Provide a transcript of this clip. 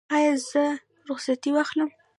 ایا زه رخصتي واخلم؟